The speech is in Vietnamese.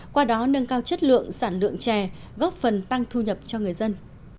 qua đó nâng cao chất lượng sản lượng chè góp phần tăng thu nhập cho người dân